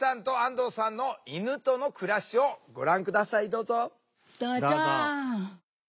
どうぞ。